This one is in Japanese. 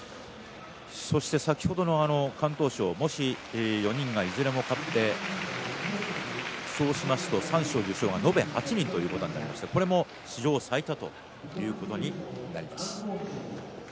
そして先ほどの敢闘賞もし４人がいずれも勝ってそうしますと三賞受賞が延べ８人ということになりましてこれも史上最多ということになります。